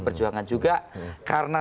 perjuangan juga karena